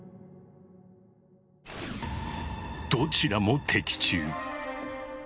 どちらも的中。